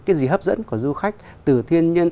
cái gì hấp dẫn của du khách từ thiên nhiên